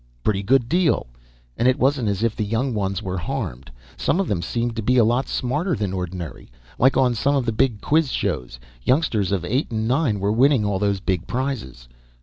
Pretty good deal. And it wasn't as if the young ones were harmed. Some of them seemed to be a lot smarter than ordinary like on some of the big quizshows, youngsters of eight and nine were winning all those big prizes.